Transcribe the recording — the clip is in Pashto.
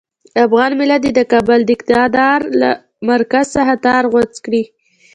افغان ملت دې د کابل د اقتدار له مرکز څخه تار غوڅ کړي.